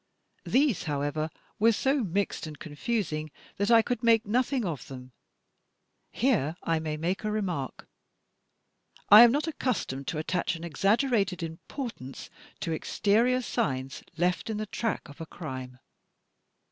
These, however, were so mixed and confusing that I could make nothing of them. Here I may make a remark, — I am not accustomed to attach an exag gerated importance to exterior signs left in the track of a crime.